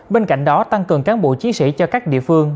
bên cạnh đó tăng cường cán bộ chiến sĩ cho các địa phương